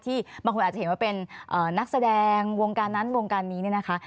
บางคนอาจจะเห็นว่าเป็นนักแสดงวงการนั้นวงการนี้เนี่ยนะคะ